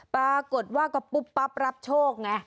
ปรากฏว่าก็ปุ๊บปั๊บรับโชคไง